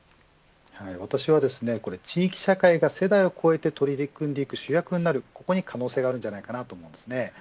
私は地域社会が世代を超えて取り組んでいく主役になるここに可能性があると思います。